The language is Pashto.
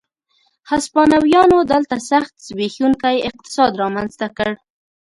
هسپانویانو دلته سخت زبېښونکی اقتصاد رامنځته کړ.